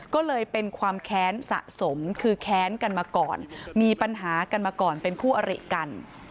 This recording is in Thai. ก็เลยเป็นความแค้นสะสมคือแค้นกันมาก่อนมีปัญหากันมาก่อนเป็นคู่อริกัน